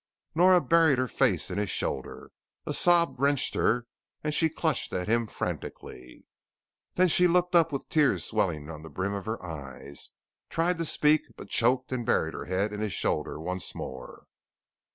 Nora buried her face in his shoulder. A sob wrenched her and she clutched at him frantically. Then she looked up with tears welling on the brim of her eyes, tried to speak but choked and buried her head in his shoulder once more.